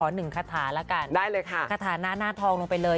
ขอ๑คาถาล่ะกันคาถาหน้าหน้าทองลงไปเลย